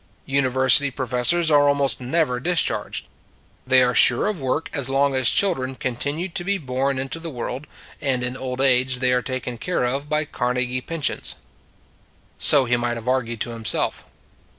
University professors are almost never discharged: they are sure of work as long as children continue to be born into the world; and in old age they are taken care of by Carnegie pensions. So he might have argued to himself.